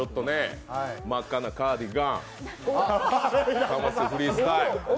真っ赤なカーディガン、カマせフリースタイル。